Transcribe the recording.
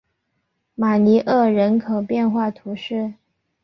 马尼厄人口变化图示